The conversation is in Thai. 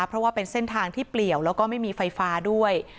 เพราะว่าเป็นเส้นทางที่เปลี่ยวแล้วก็ไม่มีไฟฟ้าด้วย